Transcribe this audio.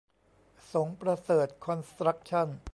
สงประเสริฐคอนสตรัคชั่น